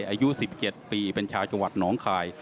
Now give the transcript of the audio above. อายุ๑๗ปีเป็นชาวจังหวัดหนองคาย